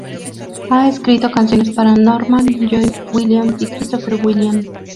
Ha escrito canciones para Norman, Joy Williams y Christopher Williams.